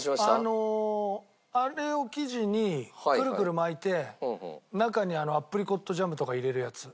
あのあれを生地にくるくる巻いて中にアプリコットジャムとか入れるやつ。